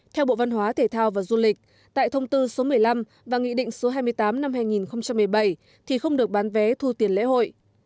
theo bộ văn hóa thể thao và du lịch tại thông tư số một mươi năm và nghị định số hai mươi tám năm hai nghìn một mươi bảy thì không được bán vé thu tiền lễ hội